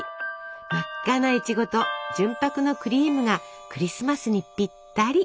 真っ赤ないちごと純白のクリームがクリスマスにぴったり。